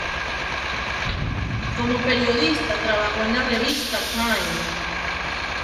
Como periodista trabajó en la revista "Time".